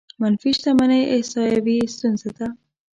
منفي شتمنۍ احصايوي ستونزه ده.